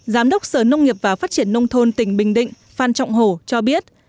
giám đốc sở nông nghiệp và phát triển nông thôn tỉnh bình định phan trọng hồ cho biết